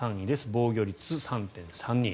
防御率、３．３２。